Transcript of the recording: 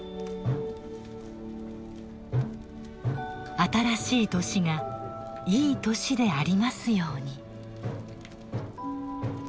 新しい年がいい年でありますように。